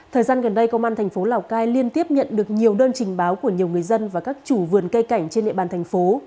thời gian gần đây công an thành phố lào cai liên tiếp nhận được nhiều đơn trình báo của nhiều người dân và các chủ vườn cây cảnh trên địa bàn thành phố